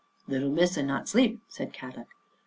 " Little Missa not sleep," said Kadok.